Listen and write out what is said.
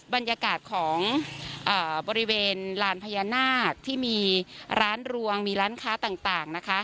บรรยากาศของบริเวณลานพญานาคที่มีร้านรวงมีร้านค้าต่างนะคะ